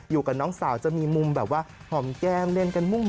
อยู่กับน้องสาวจะมีมุมแบบว่าหอมแก้มเล่นกันมุ่ง